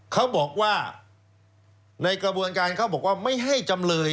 เขาบอกว่าในกระบวนการเขาบอกว่าไม่ให้จำเลย